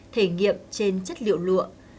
thể nghiệm trên chất liệu lụa